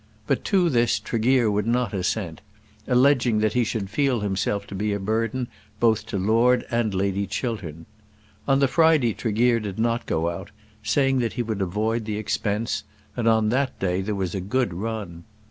But to this Tregear would not assent, alleging that he should feel himself to be a burden both to Lord and Lady Chiltern. On the Friday Tregear did not go out, saying that he would avoid the expense, and on that day there was a good run.